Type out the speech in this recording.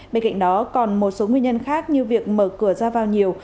bên cạnh đó còn một số nguyên nhân khác như việc mở cửa ra vào nhiều